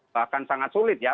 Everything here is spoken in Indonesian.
bahkan sangat sulit ya